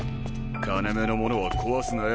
金目のものは壊すなよ